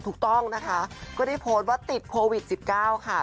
ถูกต้องนะคะก็ได้โพสต์ว่าติดโควิด๑๙ค่ะ